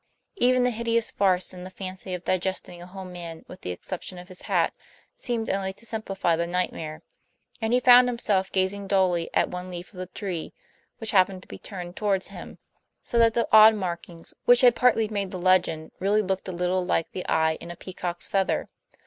Even the hideous farce in the fancy of digesting a whole man with the exception of his hat, seemed only to simplify the nightmare. And he found himself gazing dully at one leaf of the tree, which happened to be turned toward him, so that the odd markings, which had partly made the legend, really looked a little like the eye in a peacock's feather.